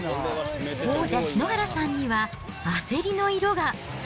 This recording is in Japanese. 王者、篠原さんには焦りの色が。